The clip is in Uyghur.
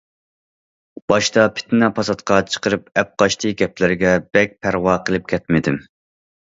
باشتا پىتنە- پاساتقا چىقىرىپ ئەپقاچتى گەپلەرگە بەك پەرۋا قىلىپ كەتمىدىم.